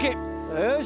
よし！